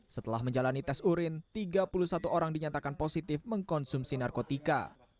setelah menjalani tes urin tiga puluh satu orang dinyatakan positif mengkonsumsi narkotika